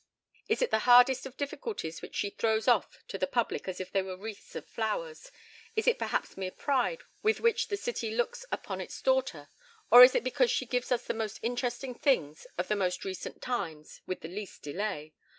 Is it the hardest of difficulties, which she throws off to the public as if they were wreaths of flowers? Is it perhaps mere pride, with which the city looks upon its daughter; or is it because she gives us the most interesting things of the most recent times with the least delay?